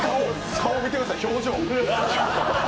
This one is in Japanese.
顔見てください、表情。